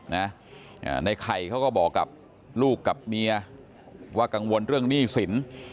ในไข่เขาก็บอกกับลูกกับเมียว่ากังวลเรื่องหนี้สิน